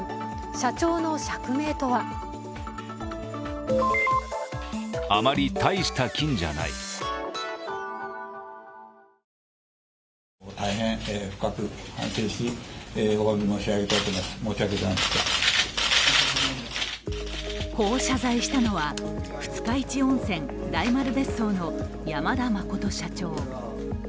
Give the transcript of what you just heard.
社長の釈明とはこう謝罪したのは二日市温泉大丸別荘の山田真社長。